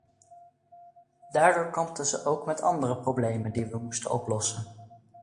Daardoor kampten ze ook met andere problemen die we moesten oplossen.